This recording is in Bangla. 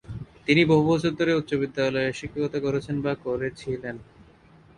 তিনি বহু বছর ধরে উচ্চ বিদ্যালয়ের শিক্ষকতা করেছেন বা করেছিলেন।